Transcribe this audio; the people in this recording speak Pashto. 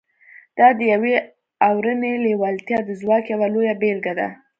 دا د يوې اورنۍ لېوالتیا د ځواک يوه لويه بېلګه ده.